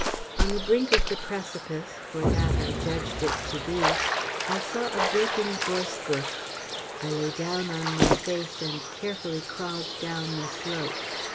On the brink of the precipice for that I judged it to be I saw a broken gorse bush. I lay down on my face and carefully crawled down the slope.